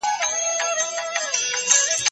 زه هره ورځ سبا ته فکر کوم